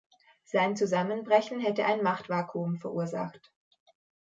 Sein Zusammenbrechen hätte ein Machtvakuum verursacht.